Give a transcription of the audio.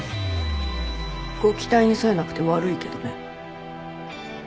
ご期待に沿えなくて悪いけどね。